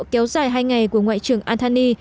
kéo dài hai ngày của ngoại trưởng anthony